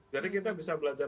jadi kita bisa belajar dari itu